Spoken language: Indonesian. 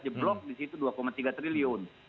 jeblok di situ dua tiga triliun